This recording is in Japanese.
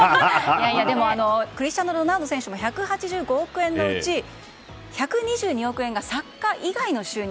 クリスティアーノ・ロナウド選手１８５億円のうち１２２億円がサッカー以外の収入。